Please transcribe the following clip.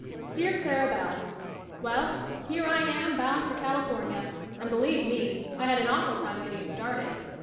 DEAR CLARA BELL: Well, here I am bound for Cali fornia, and believe me, I had an awful time getting started.